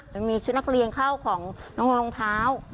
มันมีชุดนักเรียนเข้าของน้องรองเท้า